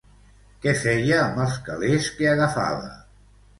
Què feia amb els calés què agafava?